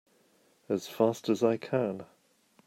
As fast as I can!